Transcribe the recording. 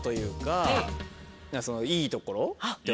いいところ。